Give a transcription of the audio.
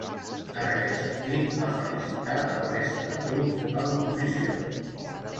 En aquest sentit, ha felicitat a la resta de grups a l’oposició.